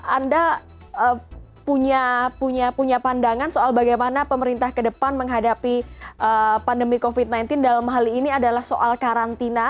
anda punya pandangan soal bagaimana pemerintah ke depan menghadapi pandemi covid sembilan belas dalam hal ini adalah soal karantina